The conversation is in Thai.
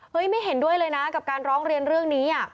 ไม่เห็นด้วยเลยนะกับการร้องเรียนเรื่องนี้